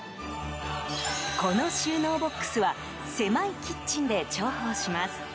この収納ボックスは狭いキッチンで重宝します。